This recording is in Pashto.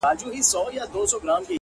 تر مخه ښې وروسته به هم تر ساعتو ولاړ وم؛